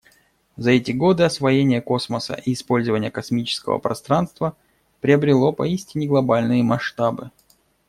За эти годы освоение космоса и использование космического пространства приобрело поистине глобальные масштабы.